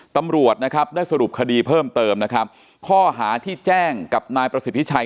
ตำรวจได้สรุปคดีเพิ่มเติมข้อหาที่แจ้งกับนายประสิทธิ์พิชัย